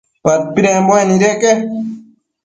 Padpidembuec nideque